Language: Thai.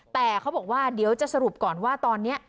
แต่เขาบอกว่าเดี๋ยวจะสรุปก่อนว่าตอนนี้